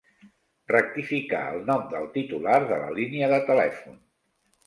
Rectificar el nom del titular de la línia de telèfon.